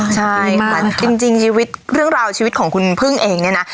ใช่ค่ะจริงชีวิตเรื่องราวชีวิตของคุณพึ่งเองเนี่ยนะ